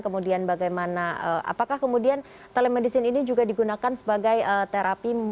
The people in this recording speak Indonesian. kemudian bagaimana apakah kemudian telemedicine ini juga digunakan sebagai terapi